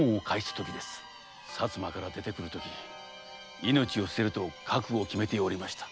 薩摩から出てくるとき命を捨てると覚悟を決めておりました。